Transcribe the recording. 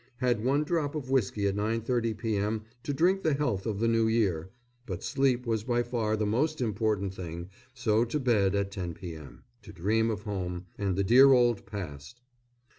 Had one drop of whisky at 9.30 p.m. to drink the health of the New Year; but sleep was by far the most important thing, so to bed at 10 p.m., to dream of home and the dear old past.